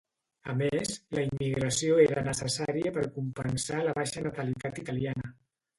A més, la immigració era necessària per compensar la baixa natalitat italiana.